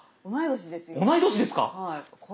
同い年ですよ。